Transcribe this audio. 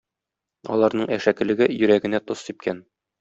Аларның әшәкелеге йөрәгенә тоз сипкән.